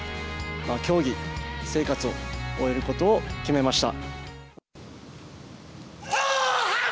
競技生活を終えることを決めました。